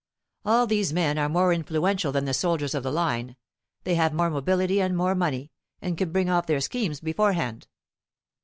All these men are more influential than the soldiers of the line, they have more mobility and more money, and can bring off their schemes beforehand.